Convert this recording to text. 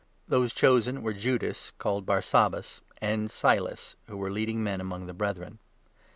Those chosen were Judas (called Barsabas) and Silas, who were leading men among the Brethren.